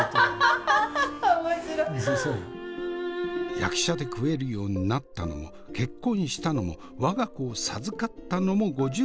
役者で食えるようになったのも結婚したのも我が子を授かったのも５０を過ぎてから。